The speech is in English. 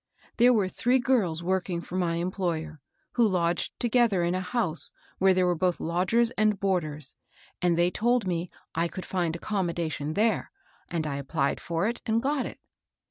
There were three girls working for my employer, who lodged together in a house where there were both lodgers and boarders, and they told me I could find accommodation there ; and I ap plied for it and got it.